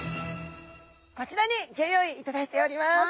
こちらにギョ用意いただいております！